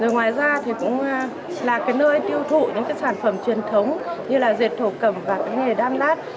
ngoài ra cũng là nơi tiêu thụ những sản phẩm truyền thống như diệt thổ cẩm và đam đát